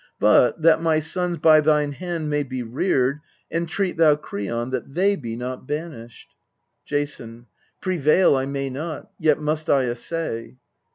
But, that my sons by thine hand may be reared, Entreat thou Kreon that they be not banished. Jason. Prevail I may not, yet must I essay.